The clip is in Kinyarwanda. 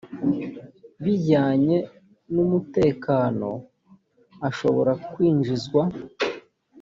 bijyanye n umutekano ashobora kwinjizwa